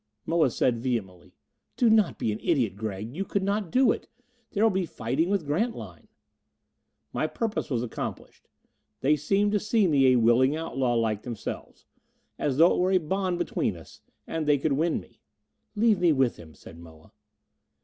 Moa said vehemently, "Do not be an idiot, Gregg! You could not do it! There will be fighting with Grantline." My purpose was accomplished. They seemed to see me a willing outlaw like themselves. As though it were a bond between us. And they could win me. "Leave me with him," said Moa.